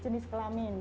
dua jenis kelamin